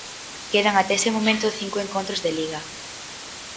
Quedan ata ese momento cinco encontros de Liga.